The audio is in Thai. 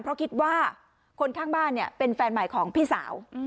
เพราะคิดว่าคนข้างบ้านเนี่ยเป็นแฟนใหม่ของพี่สาว